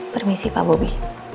permisi pak bobi